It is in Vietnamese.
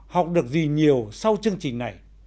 học được gì nhiều sau chương trình này